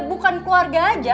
bukan keluarga aja